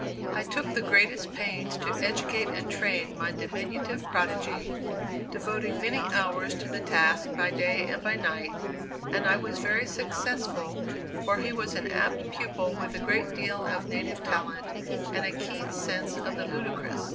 I took the greatest pains to educate and train my diminutive prodigy, devoting many hours to the task by day and by night, and I was very successful, for he was an apt pupil with a great deal of native talent, and a keen sense of the ludicrous.